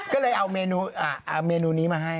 ก็เลยเอาเมนูนี้มาให้